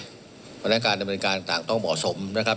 เพราะฉะนั้นการดำเนินการต่างต้องเหมาะสมนะครับ